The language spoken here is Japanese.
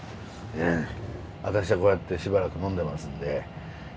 私はこうやってしばらく呑んでますんで。